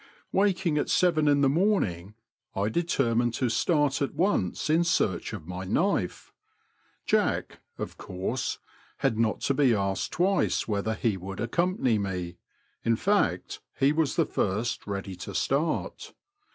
Waking at seyen in the morning, I determined to start at once in search of my knife. Jack, of course, had not to be asked twice whether he would accompany me — in fact, he was the first ready to start.